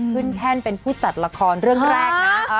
แท่นเป็นผู้จัดละครเรื่องแรกนะ